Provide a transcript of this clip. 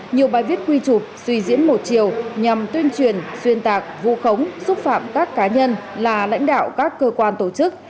nhiều bài viết quy chụp suy diễn một chiều nhằm tuyên truyền xuyên tạc vu khống xúc phạm các cá nhân là lãnh đạo các cơ quan tổ chức